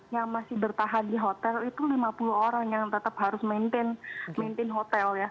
yang masih bertahan di hotel itu lima puluh orang yang tetap harus maintain hotel ya